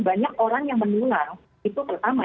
banyak orang yang menular itu pertama